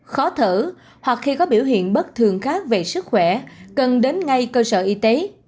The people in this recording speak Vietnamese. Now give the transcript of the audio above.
khó thở hoặc khi có biểu hiện bất thường khác về sức khỏe cần đến ngay cơ sở y tế